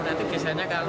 nanti kisahnya kalau